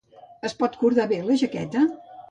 Es pot cordar bé la jaqueta?